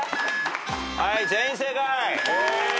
はい全員正解。